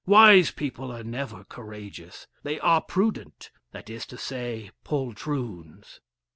Wise people are never courageous they are prudent that is to say, poltroons.